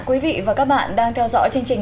quý vị và các bạn đang theo dõi chương trình